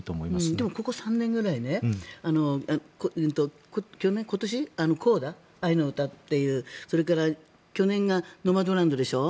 でもここ３年ぐらい、今年「ＣＯＤＡー愛の歌ー」というそれから去年が「ノマドランド」でしょ。